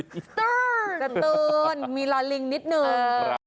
สตูนสตูนมีละลิงนิดหนึ่ง